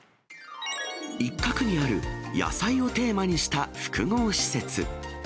一角にある、野菜をテーマにした複合施設。